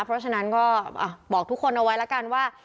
เพราะฉะนั้นก็บอกทุกคนเอาไว้แล้วกันว่า